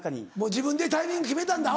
自分でタイミング決めたんだ。